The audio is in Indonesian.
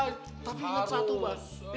tapi ingat satu bah